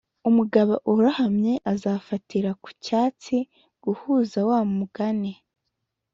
umugabo urohamye azafatira ku cyatsi guhuza wa mugani